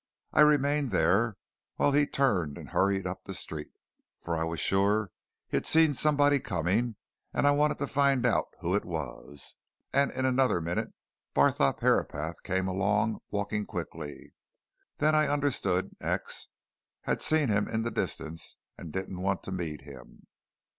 I remained there while he turned and hurried up the street, for I was sure he had seen somebody coming, and I wanted to find out who it was. And in another minute Barthorpe Herapath came along, walking quickly. Then I understood X. had seen him in the distance, and didn't want to meet him."